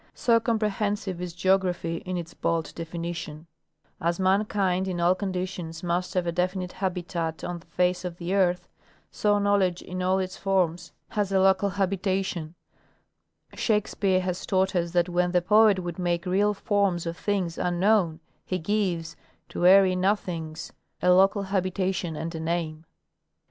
So comprehensive is geography in its bald definition. As mankind in all conditions must have a definite habitat on the face of the earth, so knoAvledge in all its forms has a local 15— Nat. Geog. Mac, , vol. V, 1893. 106 International Geograjyhic Conference. habitation. Shakespeare has taught us that when the poet would make real " Forms of things unknown," he gives To airy nothings A local habitation and a name.